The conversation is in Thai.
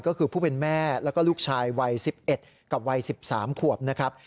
ก็คือผู้เป็นแม่แล้วก็ลูกชายวัย๑๑กับวัย๑๓ขวบนะครับ